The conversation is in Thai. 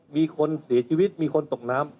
มีคนเสียชีวิตมีคนตกน้ำ